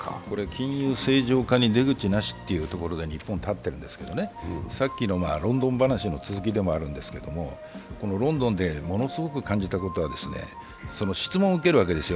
金融正常化に出口なしというところに日本は立っているんですけど、さっきのロンドン話の続きでもあるんですけれどもロンドンでものすごく感じたことは質問を受けるわけですよ、